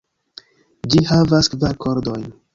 Ĝi havas kvar kordojn.